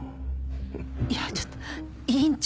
いやちょっと院長。